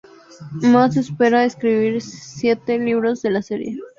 Maas espera escribir siete libros de la serie.